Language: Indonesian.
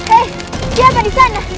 eh siapa di sana